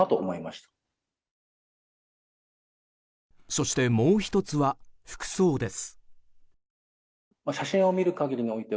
そして、もう１つは服装です。